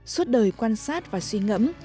suốt đời quan sát và suy ngẫm